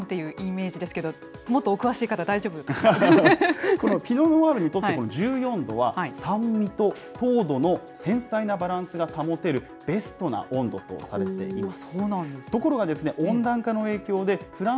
飲みやすいワインというイメージですけど、もっとお詳しい方、このピノ・ノワールにとって、この１４度は、酸味と糖度の繊細なバランスが保てるベストな温度とされています。